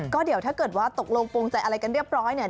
ก็เดี๋ยวถ้าเกิดว่าตกลงโปรงใจอะไรกันเรียบร้อยเนี่ย